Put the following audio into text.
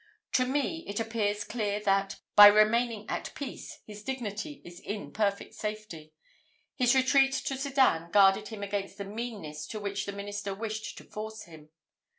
To me it appears clear that, by remaining at peace, his dignity is in perfect safety. His retreat to Sedan guarded him against the meannesses to which the minister wished to force him.